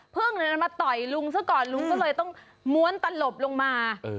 พึ่งมันมาต่อยลุงซะก่อนลุงก็เลยต้องม้วนตันหลบลงมา